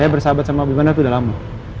saya bersahabat sama gubernur itu udah lama